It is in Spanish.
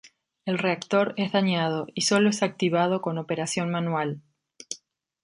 El reactor es dañado y solo es activado con operación manual.